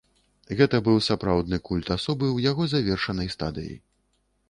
Гэта быў сапраўдны культ асобы, у яго завершанай стадыі.